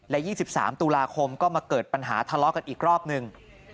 และ๒๓ตุลาคมก็มาเกิดปัญหาทะเลาะกันอีกรอบหนึ่ง